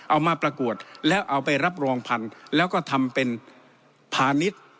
เอามาประกวดแล้วเอาไปรับรองพันธุ์แล้วก็ทำเป็นพาณิชย์